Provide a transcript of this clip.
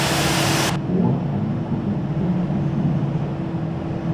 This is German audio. Rohr angekuppelt und geflutet.